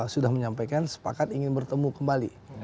sudah menyampaikan sepakat ingin bertemu kembali